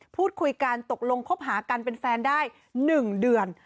พูดคุยกันตกลงคบหากันเป็นแฟนได้๑เดือน